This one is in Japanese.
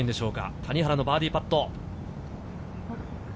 谷原のバーディーパット。